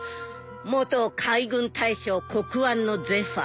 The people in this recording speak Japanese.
元海軍大将黒腕のゼファー。